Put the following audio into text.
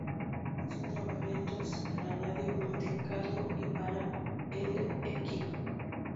Comenzó a trabajar entonces para Radio Monte-Carlo y para L'Équipe.